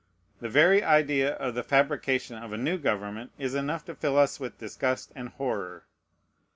The very idea of the fabrication of a new government is enough to fill us with disgust and horror.